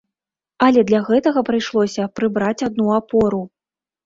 Але для гэтага прыйшлося прыбраць адну апору.